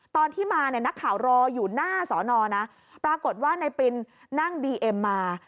ตอนที่มานักข่าวรออยู่หน้าสนนะปรากฏว่าในปินนั่งบีเอ็มมา